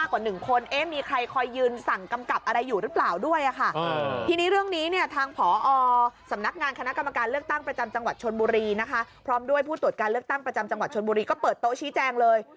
ขีบบัตรเลือกตั้งประจำจังหวัดชนบุรีก็เปิดโต๊ะชี้แจงเลย